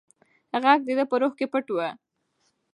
غږ د ده په روح کې پټ و.